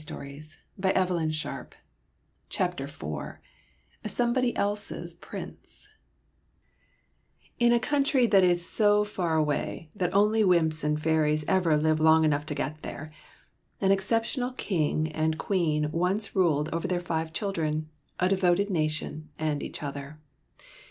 Somebody Else's Prince Somebody Else's Prince IN a country that is so far away that only wymps and fairies ever live long enough to get there, an exceptional King and Queen once ruled over their five children, a devoted nation, and each other.